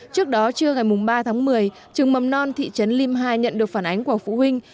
trước đó trưa ngày ba tháng một mươi trường mầm non thị trấn lim hai nhận được phản ánh của phụ huynh